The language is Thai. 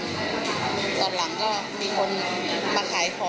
ตอนหลังก็มีคนมาขายของ